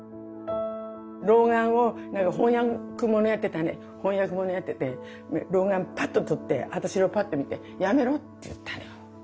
老眼を翻訳ものやってたんで翻訳ものやってて老眼パッと取って私をパッと見て「やめろ」って言ったのよ。